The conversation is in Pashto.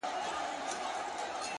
چي څوك تا نه غواړي”